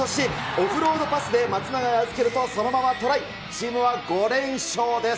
オフロードパスで松永へ預けるとそのままトライ、チームは５連勝です。